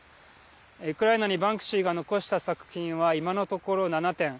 ウクライナにバンクシーが残した作品は今のところ７点。